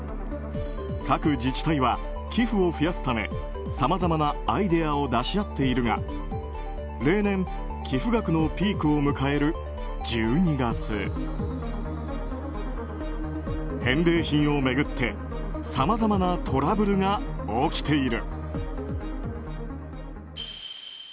各自治体は寄付を増やすためさまざまなアイデアを出し合っているが例年、寄付額のピークを迎える１２月返礼品を巡ってさまざまなトラブルが起きている。